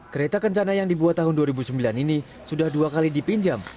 kereta kencana yang dibuat tahun dua ribu sembilan ini sudah dua kali dipinjam